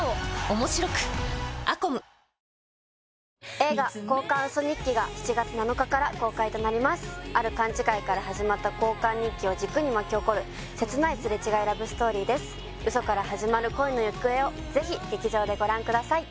映画「交換ウソ日記」が７月７日から公開となりますある勘違いから始まった交換日記を軸に巻き起こる切ないすれ違いラブストーリーですウソから始まる恋の行方をぜひ劇場でご覧ください